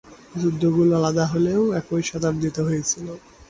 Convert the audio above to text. যুদ্ধগুলো আলাদা হলেও, একই শতাব্দীতে হয়েছিল।